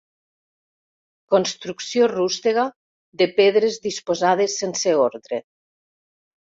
Construcció rústega de pedres disposades sense ordre.